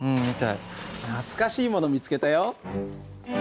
懐かしいもの見つけたよ。